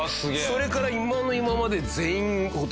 それから今の今まで全員ほとんどが。